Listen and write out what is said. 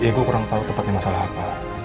ya gue kurang tahu tepatnya masalah apa